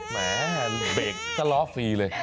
เบ็กตะลอฟรีเลย